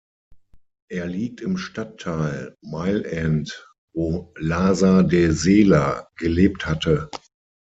Er liegt im Stadtteil Mile End, wo Lhasa de Sela gelebt hatte.